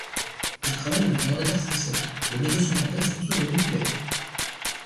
Il travaille avec un mandataire français, le négociant nantais François Denis Poulet.